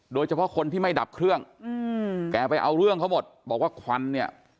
โดยเฉพาะคนที่ไม่ดับเครื่องอืมแกไปเอาเรื่องเขาหมดบอกว่าควันเนี่ย